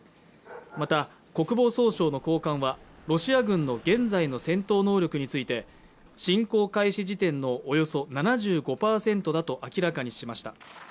また国防総省の高官はロシア軍の現在の戦闘能力について侵攻開始時点のおよそ７５％だと明らかにしました